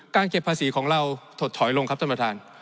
เก็บภาษีของเราถดถอยลงครับท่านประธาน